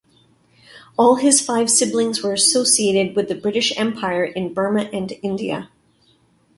All his five siblings were associated with the British Empire in Burma and India.